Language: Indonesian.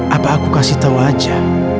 apa aku kasih tau aja